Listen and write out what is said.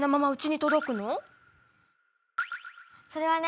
それはね